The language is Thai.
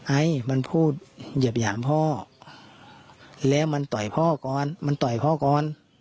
ไอมันพูดเหยียบหยามพ่อแล้วมันต่อยพ่อก่อนมันต่อยพ่อก่อน